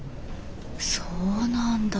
そうなんだ。